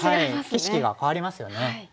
景色が変わりますよね。